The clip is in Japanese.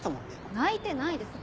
泣いてないですよ。